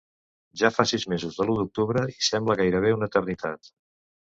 Ja fa sis mesos de l’u d’octubre i sembla gairebé una eternitat.